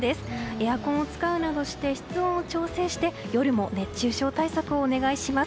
エアコンを使うなどして室温を調整して夜も熱中症対策をお願いします。